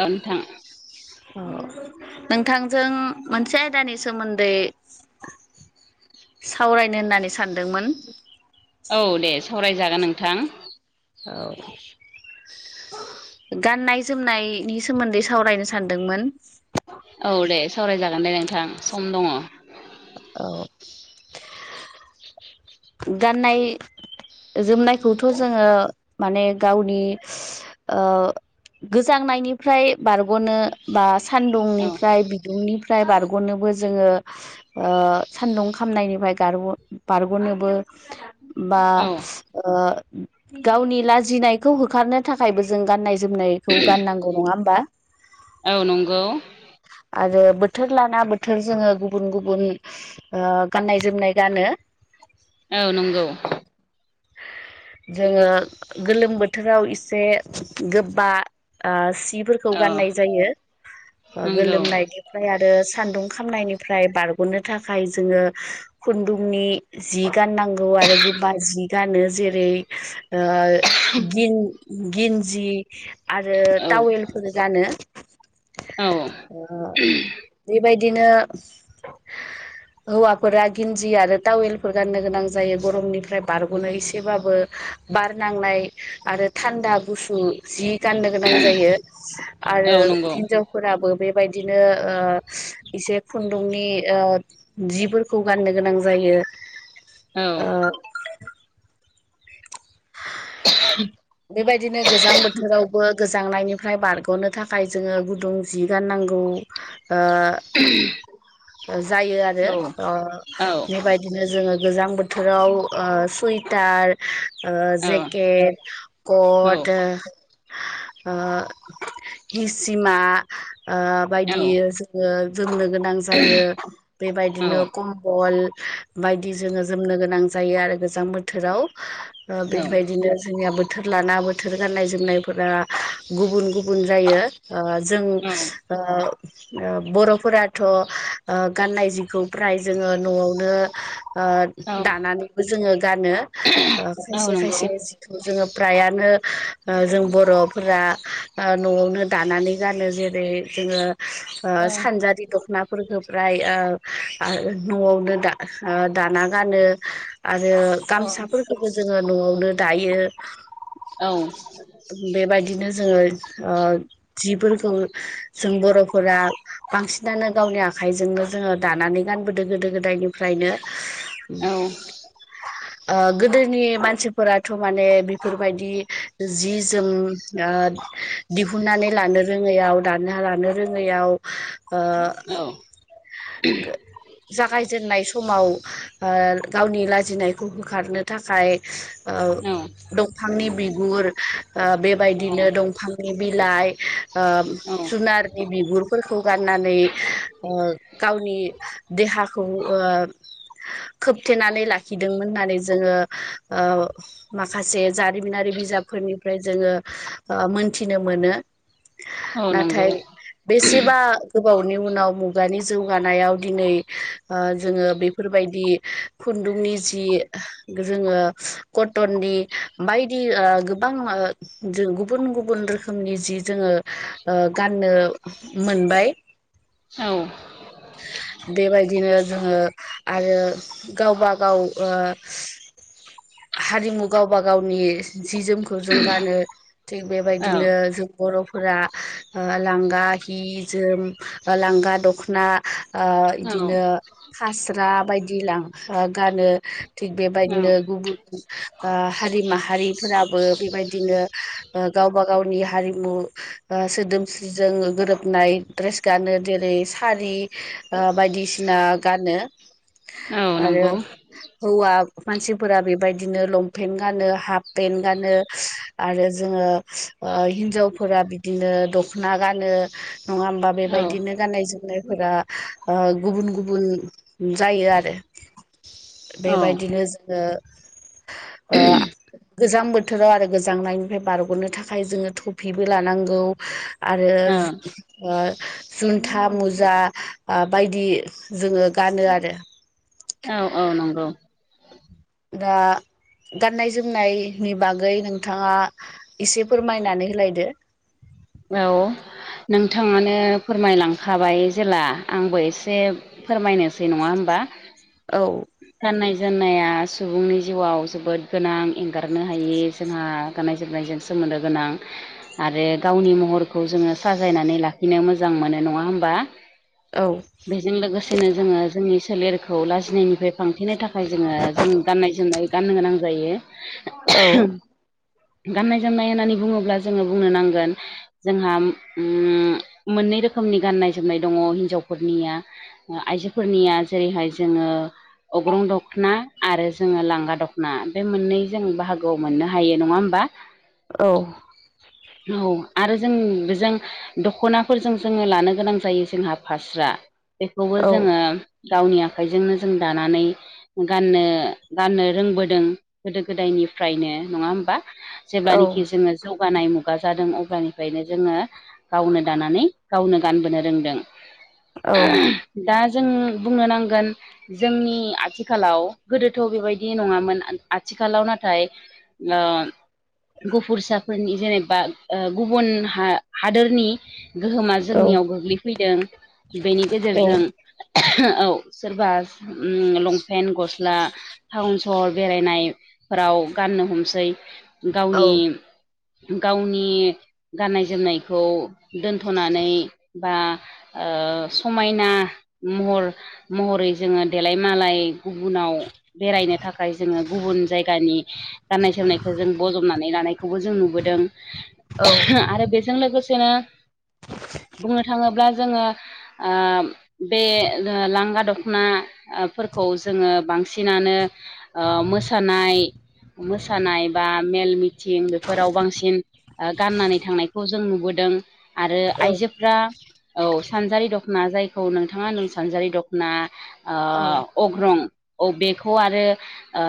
दा नोथां अ नोंथांजों मोनसे आयदानि सोमोन्दै सावरायनो होननानै सानदोंमोन। औ दे सावरायजागोन नोंथां। औ। गाननाय जोमनायनि सोमोन्दै सावरायनो सानदोंमोन। औ दे सावरायजागोन दे नोंथां सम दङ। औ। गाननाय जोमनायखौथ' जोंङो माने गावनि ओ गोजांनायनिफ्राय बारग'नो बा औ सान्दुंनिफ्राय बिदुंनि फ्राय बारग'नोबो जोंङो ओ सान्दुं खामनायनिफ्राय गारग बारग'नो बो बा औ ओ गावनि लाजिनायखौ होखारनो थाखायबो जों गान्नाय जोमनाय खौ गाननांगौ नङा होमबा? औ नंगौ आरो बोथोर लाना बोथोर जोंङो गुबुन गुबुन ओ गाननाय जोमनाय गानो। औ नंगौ। जोङो गोलोम बोथोराव एसे गोबा ओ सि खौ औ गानाय जायो। नंगौ गोलोमनाय ओमफ्राय आरो सान्दुं खामनायनिफ्राय बारग'नो थाखाय जोङो खुन्दुंनि जि गाननांगौ आरो। गोबा जि गाननो जेरै ओ गिन गिन्जि आरो औ टावेलफोर गानो। औ ओ बेबायदिनो हौवाफोरा गिन्जि आरो टावेलफोर गाननो गोनां जायो गरमनिफ्राय बारग'नो एसेबाबो बार नांनाय आरो थान्दा गुसु जि गाननो गोनां जायो। आरो औ नंगौ हिनजाव फोराबो बेबायदिनो ओ एसे दुंनि ओ जिफोरखौ गाननो गोनां जायो। औ! ओ [inaudible] बेबायदिनो गोजां बोथोरावबो गोजांनायनिफ्राय बारग'नो थाखाय जोङो गुदुं जि गाननांगौ ओ जायो आरो औ अ' औ बेबायदि बिदिनो जोङो गोजां बोथोराव ओ सुइटार जेकेट औ कट ओ हिसिमा ओ औ बायदि जोङो जोंनो गोनां जायो बेबायदिनो औ कम्बल बायदि जोङो जोमनो गोनां जायो आरो गोजां बोथोराव। बेबायदिनो जोंनियाबो बोथोर लाना बोथोर गाननाय जोमनायफोरा गुबुन गुबुन जायो। ओ जों ओ बर' फोराथ' गाननाय जिखौ फ्राय जोङो न'आवनो ओ दानानैबो जोङो गानो। औ खायसे नंगौ खायसे जिखौ जोङो फ्रायानो ओ जों बर'फोरा ओ न'आवनो दानानै गानो। जेरै जोङो ओ सानजारि दख'ना फोरखो फ्राय ओ न'आवनो दा दाना गानो‌। आरो औ गामसाफोरखौबो जोङो न'आवनो दायो। औ बेबायदिनो जोङो ओ जिफोरखौ जों बर'फोरा बांसिनानो गावनि आखाइजोंनो जोङो दानानै गानबोदों गोदो गोदायनिफ्रायनो। ओ गोदोनि मानसिफोराथ' माने बेफोरबायदि जि जोम ओ दिहुननानै लानो रोङो लानो रोङैयाव ओ जागायजेननाय समाव ओ गावनि लाजिनायखौ होखारनो थाखाय ओ औ बिफांनि बिगुर ओ बेबायदिनो औ दंफांनि बिलाइ ओ जुनारनि बिगुरफोरखौ गाननानै ओ गावनि देहाखौ खोबथेनानै लाखिदोंमोन होननानै जोङो माखासे जारिमिनारि बिजाबफोरनिफ्राय जोङो मोनथिनो मोनो नाथाय नंगौ बेसेबा गोबावनि उनाव मुगानि जौगानायाव दिनै जोङो बेफोरबायदि खुन्दुंनि जि जोङो कटननि बायदि गोबां जों गुबुन गुबुन रोखोमनि जि जोङो गाननो मोनबाय औ बेबायदिनो जोङो आरो गावबा गाव ओ हारि मुगाव बाग गावनि जि जोमखौ जों गानो थिग औ बेबायदिनो जों बर'फोरा लांगा हि जोम लांगा दख'ना ओ इदिनो हास्रा बायदि लां ओ गानो थिग औ बेबायदिनो गुबुन ओ हारि माहारिफोराबो बेबायदिनो गावबा गावनि हारिमु ओ सोदोमस्रिजों गोरोबनाय द्रेस गानो जेरै सारि ओ बायदिसिना गानो औ आरो नंगौ हौवा मानसिफोरा बेबायदिनो लं पेन्ट गानो हाफ पेन्ट गानो आरो जोङो हिनजावफोरा बिदिनो दख'ना गानो नङा होमबा औ बेबायदिनो गाननाय जोमनायफोरा ओ गुबुन गुबुन जायो आरो औ बेबायदिनो जोङो ओ गोजां बोथोराव आरो गोजांनायनिफ्राय बारग'नो थाखाय जोङो थफिबो लानांगौ। आरो औ ओ जुन्था मुजा बायदि जोङो गानो आरो। औ औ नंगौ। दा गाननाय जोमनायनि बागै नोंथाङा एसे फोरमायनानै होलायदो। औ नोंथाङानो फोरमायलांखाबाय जेला आंबो एसे फोरमायनोसै नङा होमबा? औ गाननाय जोमनाया सुबुंनि जिउआव जोबोद गोनां एंगारनो हायि जोंहा गाननाय जोमनायजों सोमोन्दो गोनां आरो गावनि महरखौ जोङो साजायनानै लाखिनो मोजां मोनो नङा होमबा। औ बेजों लोगोसेनो जोङो जोंनि सोलेरखौ लाजिनायनिफ्राय फांथेनो थाखाय जोङो जों गाननाय जोमनाय गाननो गोनां जायो। औ गाननाय जोमनाय होननानै बुङोब्ला जोङो बुंनो नांगोन जोंहा उम मोननै रोखोमनि गाननाय जोमनाय दङ हिनजावफोरनिया। आइजोफोरनिया जेरैहाय जोङो अग्रं दख'ना आरो जोङो लांगा दख'ना बे मोननै जों बाहागोआव मोननो हायो नङा होमबा? औ औ आरो जों बेजों दख'नाफोरजों जोङो लानो गोनां जायो जोंहा फास्रा बेखौबो औ जोङो गावनि आखाइजोंनो जों दानानै गाननो गाननो रोंबोदों गोदो गोदायनिफ्रायनो नङा होमबा? औ जेलानाखि जोङो जौगानाय मुुं गा जादों अब्लानिफ्रायनो जोङो गावनो दानानै गावनो गानबोनो रोंदों। औ दा जों बुंनो नांगोन जोंनि आथिखालाव गोदोथ' बेबायदि नङामोन आथिखालाव नाथाय ओ गुफुरसाफोरनि जेनेब बा ओ गुबुन हा-हादोरनि गोहोमा औ जोंनियाव गोग्लैफैदों बेनि औ गेजेरजों औ सोरबा लंपेन्ट गस्ला टाउन सहर बेरायनायफोराव गाननो हमसै औ गावनि गावनि गाननाय जोमनायखौ दोनथ'नानै बा ओ समायना महर महरै जोङो देलाय मालाय गुबुनाव बेरायनो थाखाय जोङो गुबुन जायगानि गाननाय जोमनायखौ जों बजबनानै लानायखौबो जों नुबोदों। दों औ आरो बेजों लोगोसेनो बुंनो थाङोब्ला जोङो ओ बे लांगा दख'नाफोरखौ जोङो बांसिन बांसिनानो ओ मोसानाय मोसानाय बा मेल मिथिं बेफोराव बांसिन गाननानै थांनायखौ जों नुबोदों आरो आइजोफ्रा औ सानजारि दख'ना जायखौ नोंथाङा नों सानजारि दख'ना औ अग्रं औ बेखौ आरो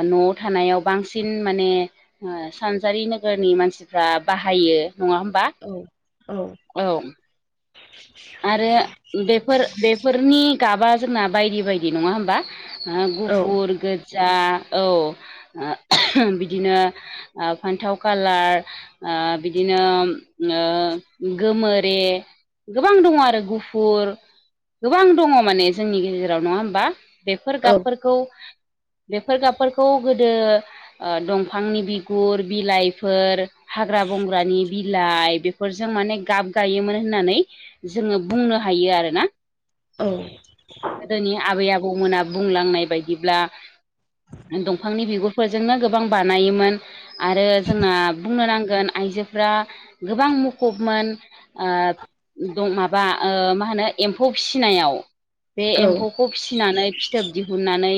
न'आव थानायाव बांसिन माने सानजारि नोगोरनि मानसि बाहायो नङा होमबा? औ औ औ आरो बेफोर बेफोरनि गाबा जोंना बायदि बायदि नङा होमबा औ औ गुफुर गोजा औ बिदिनो फान्थाव कालार ओ बिदिनो गोमोरे गोबां दङ आरो गुफुर गोबां दङ माने जोंनि गेजेराव नङा होमबा बेफोर औ गाबफोरखौ बेफोर गाबफोरखौ गोदो दंफांनि बिगुर बिलाइफोर हाग्रा बंग्रानि बिलाइ बेफोरजों माने गाब गायोमोन होननानै जोङो बुंनो हायो आरोना औ गोदोनि आबै आबौमोना बुंलांनाय बायदिब्ला दंफांनि बिगुरफोरजोंनो गोबां बानायोमोन। आरो जोंना बुंनो नांगोन आइजोफ्रा गोबां मुखुबमोन। माबा मा होनो एम्फौ फिसिनायाव बे एम्फौ फौखौ फिसिनानै फिथोब दिहुननानै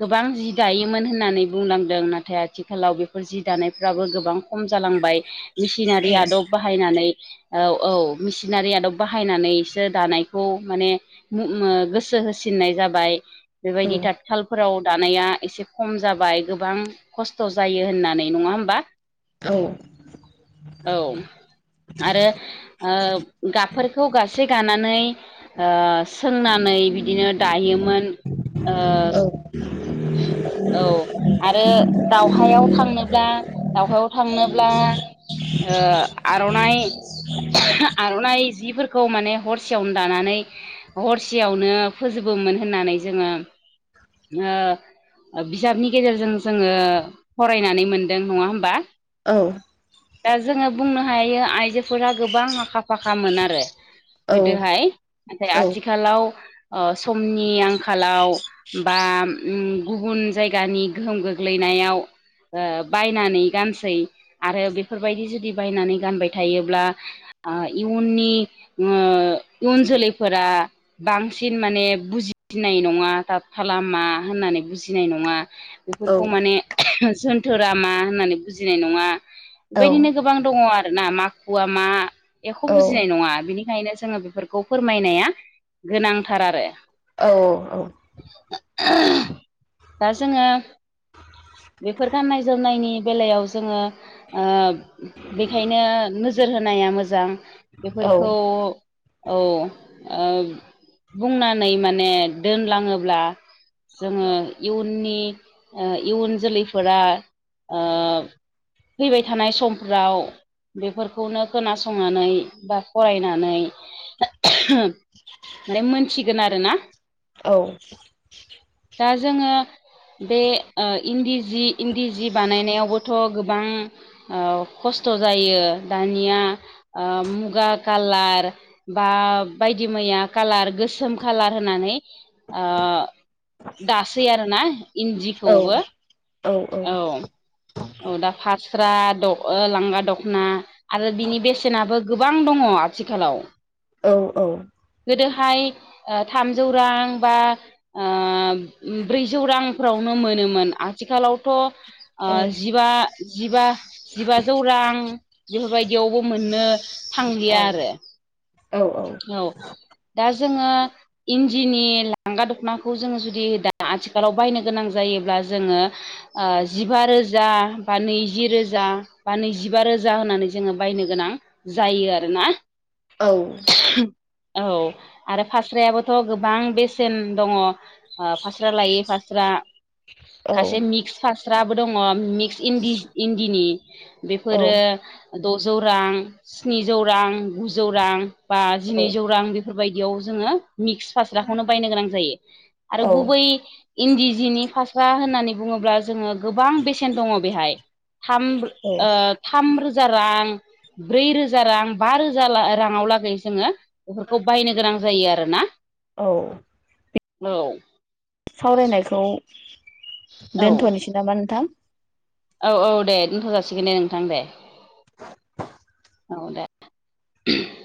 गोबां जि दायोमोन होननानै बुंलांदों नाथाय आथिखालाव बेफोर जि दानायफ्राबो गोबां खम जालांबाय मेसिनारि आदब बाहायनानै औ औ सिनारि आदब बाहायनानैसो दानायखौ माने गोसो होसिननाय जाबाय। बेबायदि थाथखालफोराव दानाया एसे खम जाबाय गोबां खस्थ' जायो होननानै नङा होमबा? औ औ आरो गाबफोरखौ गासे गानानै सोंनानै बिदिनो दायोमोन। ओ औ आरो दाउहायाव थांनोब्ला दाउहायाव थांनोब्ला ओ आर'नाइ आर'नाइ जिफोरखौ माने हरसेयावनो दानानै हरसेयावनो फोजोबोमोन होननानै जोङो बिजाबनि गेजेरजों जोङो फरायनानै मोनदों नङा होमबा औ दा जोङो बुंनो हायो आइजोफोरा गोबां आखा फाखामोन आरो गोदोहाय नाथाय आथिखालाव समनि आंखालाव बा गुबुन जायगानि गोहोम गोग्लैनायाव बायनानै गानसै आरो बेफोरबायदि जुदि बायनानै गानबाय थायोब्ला ओ इयुननि ओ उन जोलैफोरा बांसिन माने बुजिनाय नङा ताटखाला खालामा होननानै बुजिनाय नङा। बेफोरखौ माने जोनथोरा मा होननानै बुजिनाय नङा। बेबायदिनो गोबां दङ आरोना माखुवा मा एख' बुजिनाय नङा बिनिखायनो जोङो बे- फोरखौ फोरमायनाया गोनांथार आरो। औ औ औ [unintelligible] दा जोङो बेफोर गाननाय-जोमनायनि बेलायाव जोङो ओ बेखायनो नोजोर होनाया मोजां। बेफोरखौ औ ओ बुंनानै माने दोनलाङोब्ला जोङो इयुननि ओ इयुन जोलैफोरा ओ फैबाय थानाय समफ्राव बेफोरखौनो खोनासं- संनानै बा फरायनानै [unintelligible] माने मोनथिगोन आरो ना। औ दा जोङो बे ओ इन्दि जि इन्दि जि बानायनायावबोथ' गोबां ओ खस्थ' जायो दानिया ओ मुगा कालार बा बायदि मैया कालार गोसोम कालार होननानै ओ दासै आरो ना इन्दिखौबो औ औ औ दा फास्रा द' ओ लांगा दख'ना आरो बिनि बेसेनाबो गोबां दङ आथिखालाव। औ औ गोदोहाय ओ थामजौ रां बा ओ ब्रैजौ रांफ्रावनो मोनोमोन। आथिखालाव- थ' ओ जिबा जिबा जिबाजौ रां बेफोरबायदियावबो मोननो थांलिया आरो। औ दा जोङो इन्दिनि लांगा दख'नाखौ जोङो जुदि दा आथिखालाव बायनो गोनां जायोब्ला जोङो ओ जिबा रोजा बा नैजि रोजा बा नैजिबा रोजा होनानै जोङो बायनो गोनां जायो आरो ना। औ औ आरो फास्रायाबोथ' गोबां बेसेन दङ। फास्रा लायै फास्रा औ खायसे मिक्स फास्राबो दङ मिक्स इदि-इन्दिनि औ बेफोरो द'जौ रां स्निजौ रां गुजौ रां बा औ जिनैजौ रां बेफोरबायदियाव जोङो मिक्स औ फास्राखौनो बायनो गोनां जायो। आरो औ गुबै इन्दि जिनि फास्रा होननानै बुङोब्ला जोङो गोबां बेसेन दङ बेहाय। थाम ओ थाम रोजा रां ब्रै रोजा रां बा रोजा राङाव लागै जोङो बेफोरखौ बायनो गोनां जायो आरो ना। औ औ सावरायनायखौ औ दोनथ'नोसै नामा नोंथां। औ औ दे दोन्थ' जासिगोन दे नोंथां दे। औ दे